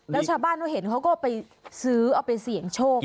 แล้วชาวบ้านเขาเห็นเขาก็ไปซื้อเอาไปเสี่ยงโชค